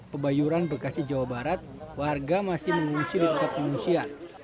pebayuran bekasi jawa barat warga masih mengungsi di tempat pengungsian